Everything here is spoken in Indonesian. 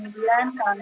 menggunakan uang pribadi